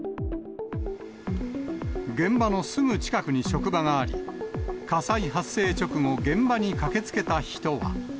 現場のすぐ近くに職場があり、火災発生直後、現場に駆けつけた人は。